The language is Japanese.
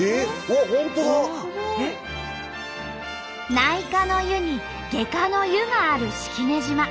内科の湯に外科の湯がある式根島。